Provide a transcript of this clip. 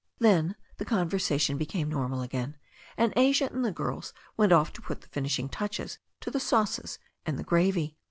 Then the conversation became normal again, and Asia and the girls went off to put the finishing touches to the sauces and the gravy.